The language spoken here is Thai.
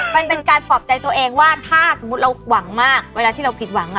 มันเป็นการปลอบใจตัวเองว่าถ้าสมมุติเราหวังมากเวลาที่เราผิดหวัง